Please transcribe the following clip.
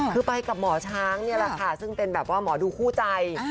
คือไปกับหมอช้างนี่แหละค่ะซึ่งเป็นแบบว่าหมอดูคู่ใจ